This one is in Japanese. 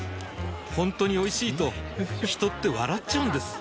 ほんとにおいしいと人って笑っちゃうんです